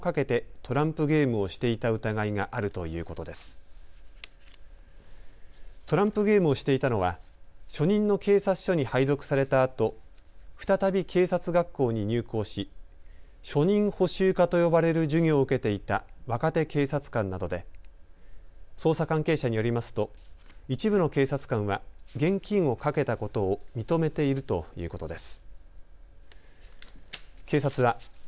トランプゲームをしていたのは初任の警察署に配属されたあと再び警察学校に入校し初任補修科と呼ばれる授業を受けていた若手警察官などで捜査関係者によりますと一部の警察官は現金を賭けたことを認めているということです。